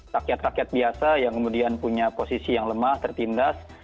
rakyat rakyat biasa yang kemudian punya posisi yang lemah tertindas